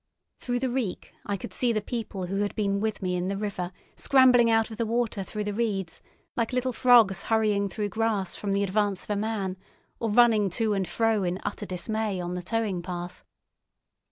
Through the reek I could see the people who had been with me in the river scrambling out of the water through the reeds, like little frogs hurrying through grass from the advance of a man, or running to and fro in utter dismay on the towing path.